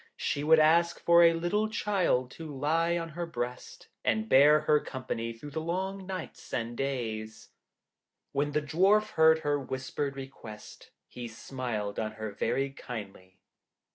She would ask for a little child to lie on her breast, and bear her company through the long nights and days. When the Dwarf heard her whispered request, he smiled on her very kindly.